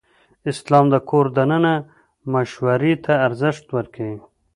اسلام د کور دننه مشورې ته ارزښت ورکوي.